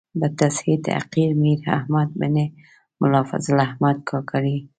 بتصحیح حقیر میر احمد بن ملا فضل احمد کاکړي.